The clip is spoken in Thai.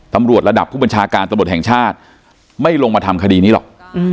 ตำรวจระดับผู้บัญชาการตำรวจแห่งชาติไม่ลงมาทำคดีนี้หรอก